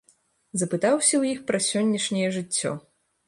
Запытаўся ў іх пра сённяшняе жыццё.